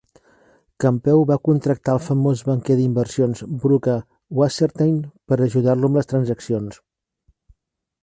Campeu va contractar el famós banquer d"inversions Bruca Wassertein per ajudar-lo amb les transaccions.